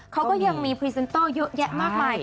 เขาก็ยังมีพรีเซนเตอร์เยอะแยะมากมาย